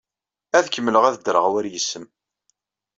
Ad kemmleɣ ad ddreɣ war yes-m.